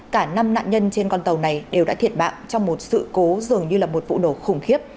cả năm nạn nhân trên con tàu này đều đã thiệt mạng trong một sự cố dường như là một vụ nổ khủng khiếp